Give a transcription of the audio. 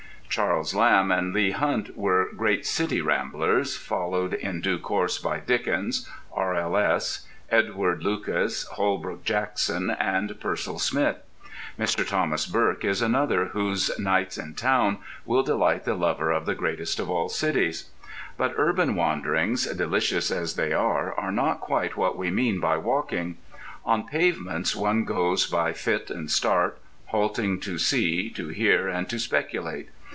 Charles Lamb and Leigh Hunt were great city ramblers, followed in due course by Dickens, R.L.S., Edward Lucas, Holbrook Jackson, and Pearsall Smith. Mr. Thomas Burke is another, whose "Nights in Town" will delight the lover of the greatest of all cities. But urban wanderings, delicious as they are, are not quite what we mean by walking. On pavements one goes by fit and start, halting to see, to hear, and to speculate.